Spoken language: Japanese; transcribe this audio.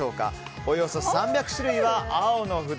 およそ３００種類は青の札